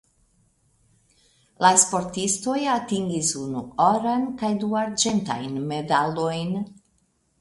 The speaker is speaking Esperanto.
La sportistoj atingis unu oran kaj du arĝentajn medalojn.